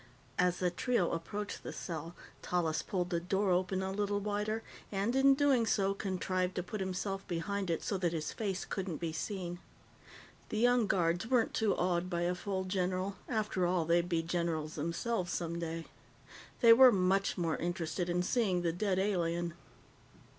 As the trio approached the cell, Tallis pulled the door open a little wider and, in doing so, contrived to put himself behind it so that his face couldn't be seen. The young guards weren't too awed by a full general; after all, they'd be generals themselves someday. They were much more interested in seeing the dead alien.